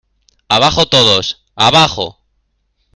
¡ abajo todos! ¡ abajo !